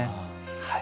はい。